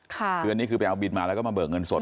คืออันนี้คือไปเอาบินมาแล้วก็มาเบิกเงินสด